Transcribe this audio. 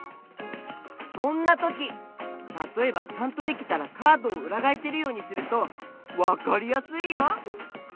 そんなときたとえばちゃんとできたらカードをうらがえせるようにするとわかりやすいよ！